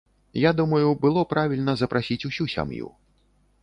Я думаю, было правільна запрасіць усю сям'ю.